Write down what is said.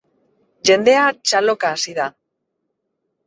Jendea txaloka hasi da.